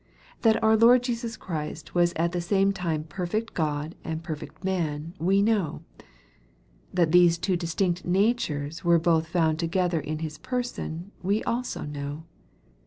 That our Lord Jesus Christ was at the same time perfect God and perfect man we know. That these two distinct natures were both found together in His Person, we also know.